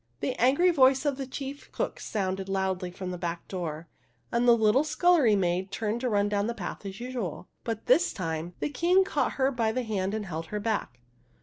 The angry voice of the chief cook sounded loudly from the back door, and the little scul lery maid turned to run down the path as usual. 5 66 THE HUNDREDTH PRINCESS But, this time, the King caught her by the hand and held her back.